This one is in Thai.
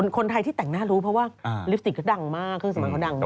คนไทยที่แต่งหน้ารู้เพราะว่าลิปสติกก็ดังมากเครื่องสมัยเขาดังมาก